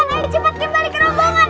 ayo cepat kembali ke rombongan